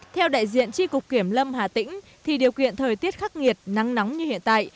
theo đại diện tri cục kiểm lâm hà tĩnh thì điều kiện thời tiết khắc nghiệt nắng nóng như hiện tại